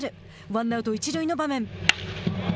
ワンアウト、一塁の場面。